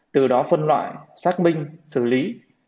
từ đó phân loại xác minh xử lý